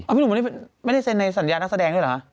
พี่หนุ่มไม่ได้เซ็นในสัญญานักแสดงด้วยเหรอคะ